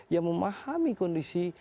yang memahami kondisi